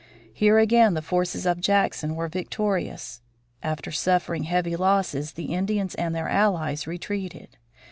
Here again the forces of Jackson were victorious. After suffering heavy losses, the Indians and their allies retreated.